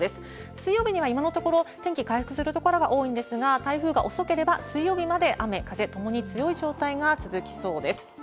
水曜日には今のところ、天気回復する所台風が遅ければ、水曜日まで雨、風ともに強い状態が続きそうです。